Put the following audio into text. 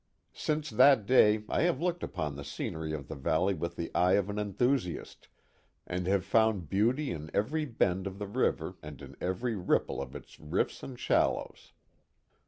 Since that day I have looked upon the scenery of the valley with the eye of an enthusiast, and have found beauty in every bend of the river and in every ripple of its riffs and shallows.